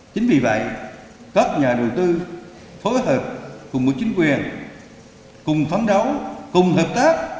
chính vì vậy các nhà đầu tư phối hợp cùng với chính quyền cùng phán đấu cùng hợp tác